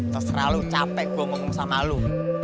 terserah lu capek gua ngomong sama lu